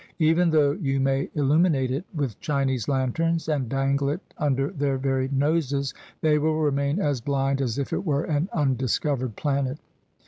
Even though you may illuminate it with Chinese lanterns and dangle it under their very noses, they will remain as blind as if it were an undiscovered planet.